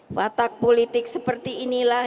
watak politik seperti inilah